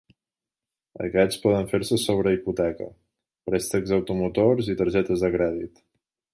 Aquests poden fer-se sobre hipoteca, préstecs automotors i targetes de crèdit.